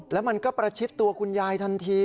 แล้วมันก็ประชิดตัวคุณยายทันที